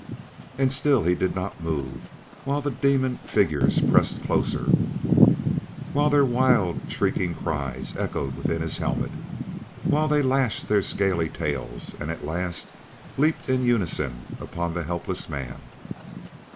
And still he did not move while the demon figures pressed closer, while their wild, shrieking cries echoed within his helmet; while they lashed their scaly tails, and at last leaped in unison upon the helpless man.